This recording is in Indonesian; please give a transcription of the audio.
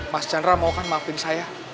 mas chandra maukan maafin saya